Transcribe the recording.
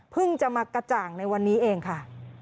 จะมากระจ่างในวันนี้เองค่ะ